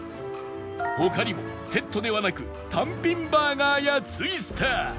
他にもセットではなく単品バーガーやツイスター